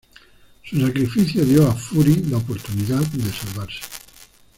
Su sacrificio dio a Fury la oportunidad de salvarse.